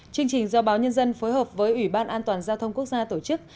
chương trình do báo nhân dân phối hợp với ủy ban an toàn giao thông quốc gia tổ chức